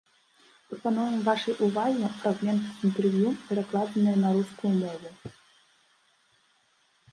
Прапануем вашай увазе фрагменты з інтэрв'ю, перакладзеныя на рускую мову.